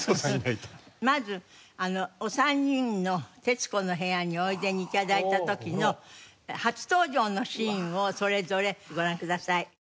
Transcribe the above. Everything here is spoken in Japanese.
まずお三人の『徹子の部屋』においで頂いた時の初登場のシーンをそれぞれご覧ください。